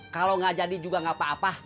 kalau nggak jadi juga gak apa apa